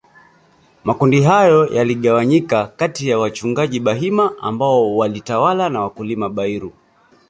Makundi hayo yaligawanyika katiya wachungaji Bahima ambao walitawala na wakulima Bairu